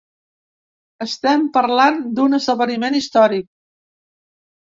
Estem parlant d’un esdeveniment històric.